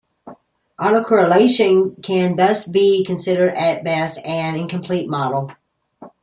Autocorrelation can thus be considered, at best, an incomplete model.